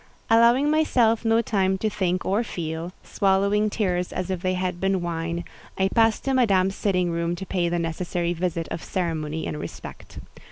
Allowing myself no time to think or feel—swallowing tears as if they had been wine—I passed to Madame's sitting room to pay the necessary visit of ceremony and respect.